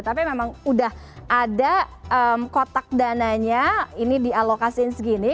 tapi memang udah ada kotak dananya ini dialokasiin segini